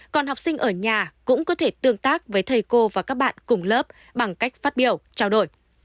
còn học sinh ở nhà cũng có thể tương tác với thầy cô và các bạn cùng lớp bằng cách phát biểu trao đổi